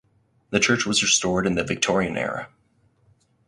The church was restored in the Victorian era.